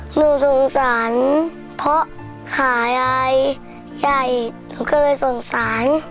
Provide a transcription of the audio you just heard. หนูสงสารเพราะขาอะไรใหญ่หนูก็เลยสงสาร